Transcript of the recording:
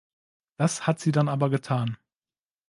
Das hat sie dann aber getan.